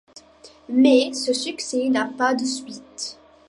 Mais ce succès n'a pas de suite.